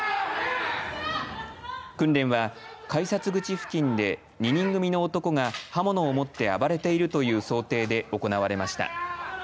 訓練は、改札口付近で２人組の男が刃物を持って暴れているという想定で行われました。